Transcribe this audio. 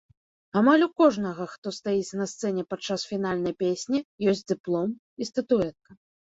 Амаль у кожнага, хто стаіць на сцэне падчас фінальнай песні, ёсць дыплом і статуэтка.